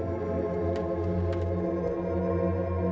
tidak ada yang bisa dikira